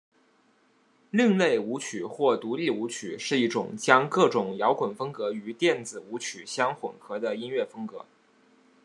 另类舞曲或独立舞曲是一种将各种摇滚风格与电子舞曲相混合的音乐风格。